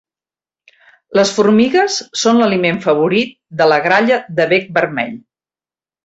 Les formigues són l'aliment favorit de la gralla de bec vermell.